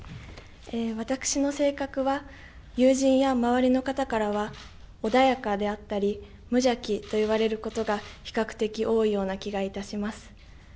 私の性格は友人や周りの方からは穏やかであったり無邪気と言われることが比較的多いような気がいたします。